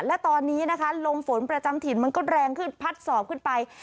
และตอนนี้นะคะลมฝนประจำถิ่นมันก็แรงขึ้นพัดสอบขึ้นไป